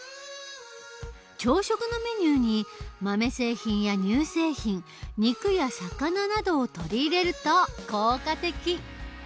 朝食のメニューに豆製品や乳製品肉や魚などを取り入れると効果的。